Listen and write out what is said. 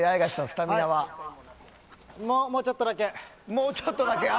もうちょっとだけ。